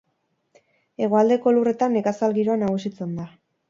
Hegoaldeko lurretan nekazal giroa nagusitzen da.